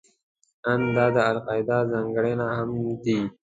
ان دا د القاعده ځانګړنې هم دي.